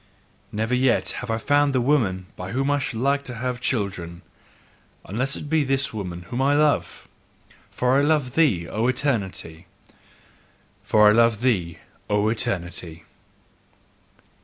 Never yet have I found the woman by whom I should like to have children, unless it be this woman whom I love: for I love thee, O Eternity! FOR I LOVE THEE, O ETERNITY!